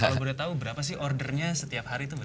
kalau boleh tahu berapa sih ordernya setiap hari itu berapa